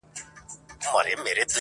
د نیکه ږغ.!